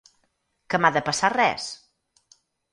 Que m'ha de passar res?